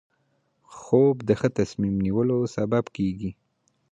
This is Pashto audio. خوب د ښه تصمیم نیولو سبب کېږي